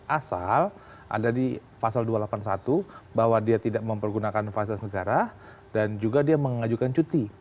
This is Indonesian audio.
asal ada di pasal dua ratus delapan puluh satu bahwa dia tidak mempergunakan fasilitas negara dan juga dia mengajukan cuti